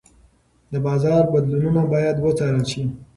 د بازار بدلونونه باید وڅارل شي.